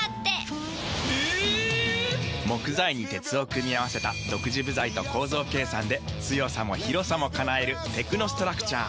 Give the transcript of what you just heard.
木材に鉄を組み合わせた独自部材と構造計算で強さも広さも叶えるテクノストラクチャー。